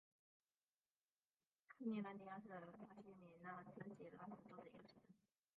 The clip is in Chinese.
富尼兰迪亚是巴西米纳斯吉拉斯州的一个市镇。